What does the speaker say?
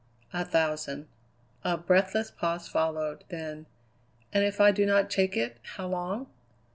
"A thousand." A breathless pause followed. Then: "And if I do not take it, how long?"